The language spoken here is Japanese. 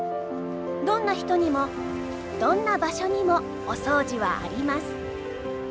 どんな人にもどんな場所にもお掃除はあります。